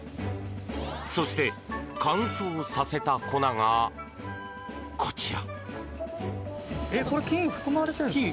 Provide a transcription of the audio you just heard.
そして、乾燥させた粉がこちら。